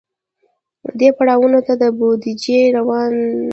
دې پړاوونو ته د بودیجې دوران وایي.